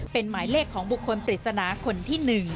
เป็นหมายเลขของบุคคลปริศนาคนที่๑